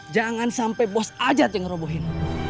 jangan sampai bos ahjad yang ngerobohin